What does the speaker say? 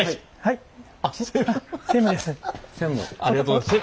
ありがとうございます。